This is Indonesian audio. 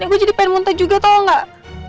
ini gue jadi pengen muntah juga tau gak